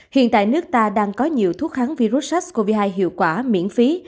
hiện tại nước ta đang có nhiều thuốc kháng virus sars cov hai hiệu quả miễn phí